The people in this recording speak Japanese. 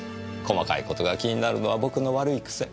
細かい事が気になるのは僕の悪い癖。